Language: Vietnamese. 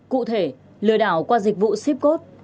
cụ thể lừa đảo qua dịch vụ ship code